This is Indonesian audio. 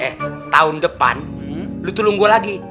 eh tahun depan lu tolong gua lagi